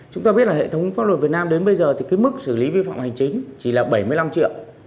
chúng ta biết là hệ thống pháp luật việt nam đến bây giờ thì cái mức xử lý vi phạm hành chính chỉ là bảy mươi năm triệu